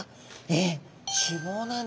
えっ！